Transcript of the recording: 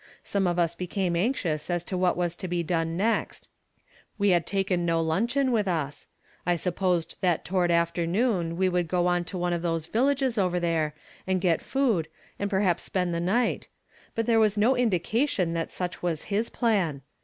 Some of us became anxious as to what was to be done next. We had taken no luncheon with us; I supposed that toward afternoon we would go on to one of those villages over there, and get food, and perhaps spend the night ; but there was no indication that such was his plan.